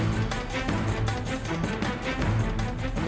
วันนี้คือวันวันสุข